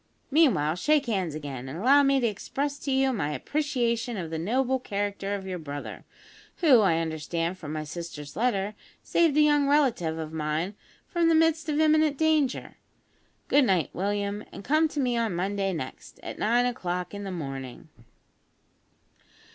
Meanwhile, shake hands again, and allow me to express to you my appreciation of the noble character of your brother, who, I understand from my sister's letter, saved a young relative of mine from the midst of imminent danger. Good night, William, and come to me on Monday next, at nine o'clock in the morning."